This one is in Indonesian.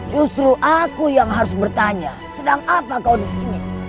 justru aku yang harus bertanya sedang apa kau disini